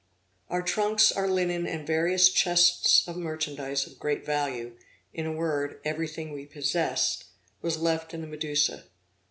Our trunks, our linen and various chests of merchandize of great value, in a word, everything we possessed, was left in the Medusa.